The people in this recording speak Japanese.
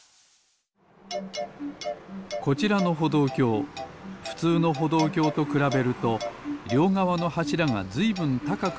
こちらのほどうきょうふつうのほどうきょうとくらべるとりょうがわのはしらがずいぶんたかくまであります